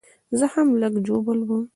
زه هم لږ ژوبل وم